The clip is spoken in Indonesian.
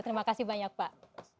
terima kasih banyak pak